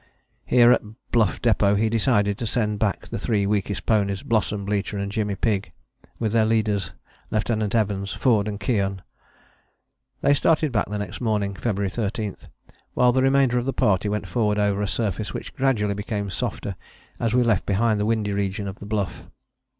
Here at Bluff Depôt he decided to send back the three weakest ponies (Blossom, Blücher and Jimmy Pigg, with their leaders, Lieutenant Evans, Forde and Keohane). They started back the next morning (February 13) while the remainder of the party went forward over a surface which gradually became softer as we left behind the windy region of the Bluff.